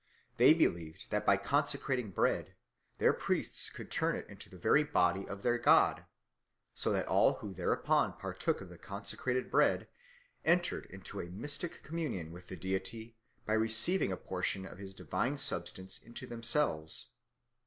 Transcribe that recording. They believed that by consecrating bread their priests could turn it into the very body of their god, so that all who thereupon partook of the consecrated bread entered into a mystic communion with the deity by receiving a portion of his divine substance into themselves.